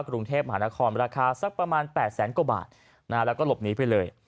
กรุงเทพมหานครราคาสักประมาณ๘แสนกว่าบาทแล้วก็หลบหนีไปเลย